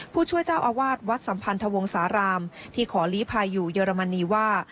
ผู้ช่วยเจ้าอาวาสวัดสัมพันธวงศาลามที่ขอลีภัยอยู่เยอรมนีว่า